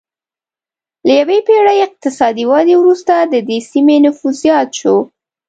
له یوې پېړۍ اقتصادي ودې وروسته د دې سیمې نفوس زیات شو